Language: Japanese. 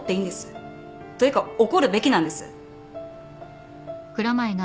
というか怒るべきなんです。